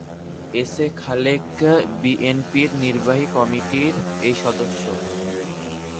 S A Khalek বিএনপির নির্বাহী কমিটির এই সদস্য।